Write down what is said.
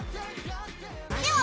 では